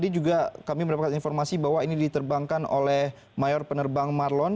tadi juga kami mendapatkan informasi bahwa ini diterbangkan oleh mayor penerbang marlon